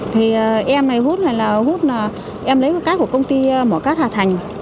thì em này hút này là hút là em lấy cát của công ty mỏ cát hà thành